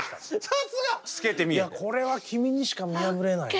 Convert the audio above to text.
さすが！これは君にしか見破れないな。